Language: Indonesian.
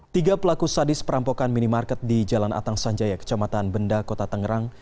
tiga pelaku sadis perampokan minimarket di jalan atang sanjaya kecamatan benda kota tangerang